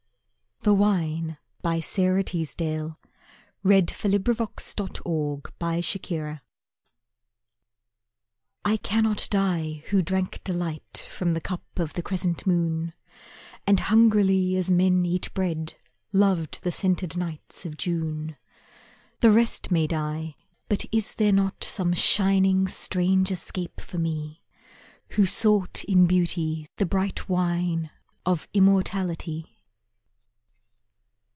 oon, forgotten After the stillness, will spring come again? The Wine I cannot die, who drank delight From the cup of the crescent moon, And hungrily as men eat bread, Loved the scented nights of June. The rest may die but is there not Some shining strange escape for me Who sought in Beauty the bright wine Of immortality?